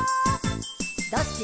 「どっち？」